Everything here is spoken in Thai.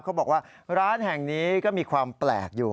เขาบอกว่าร้านแห่งนี้ก็มีความแปลกอยู่